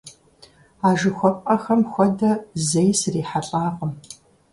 А жыхуэпӀэхэм хуэдэ зэи срихьэлӀакъым.